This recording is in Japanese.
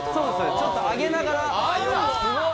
ちょっと上げながらすごい！